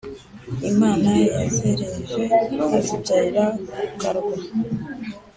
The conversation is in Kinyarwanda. imana yazereje azibyarira ku karwa.